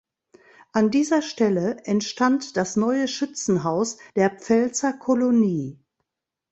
An dieser Stelle entstand das neue Schützenhaus der Pfälzer Kolonie.